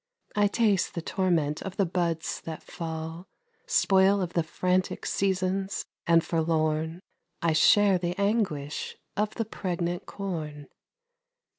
I taste the torment of the buds that fall Spoil of the frantic seasons, and forlorn I share the anguish of the pregnant corn.